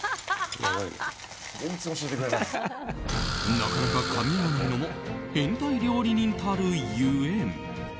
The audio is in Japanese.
なかなかかみ合わないのも変態料理人たるゆえん。